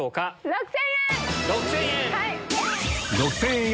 ６０００円！